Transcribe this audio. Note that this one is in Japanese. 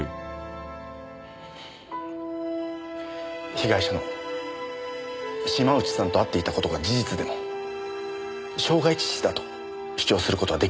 被害者の島内さんと会っていた事が事実でも傷害致死だと主張する事は出来るはずです。